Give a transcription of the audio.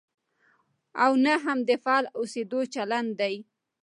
او نه هم د فعال اوسېدو چلند دی.